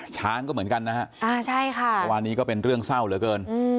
ช้างก็เหมือนกันนะฮะอ่าใช่ค่ะเมื่อวานนี้ก็เป็นเรื่องเศร้าเหลือเกิน